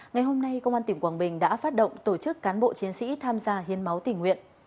ngày hôm nay công an tỉnh quảng bình đã phát động tổ chức cán bộ chiến sĩ tham gia hiến máu tỉnh nguyện